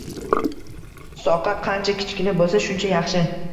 Soqqa qancha kichkina bo‘lsa, shuncha yaxshi.